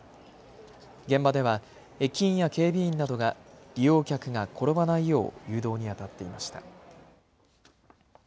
現場では駅員や警備員などが利用客が転ばないよう誘導にあたっていました。